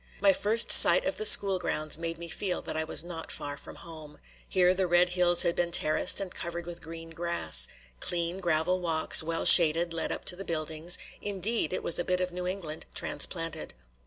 My first sight of the School grounds made me feel that I was not far from home; here the red hills had been terraced and covered with green grass; clean gravel walks, well shaded, led up to the buildings; indeed, it was a bit of New England transplanted.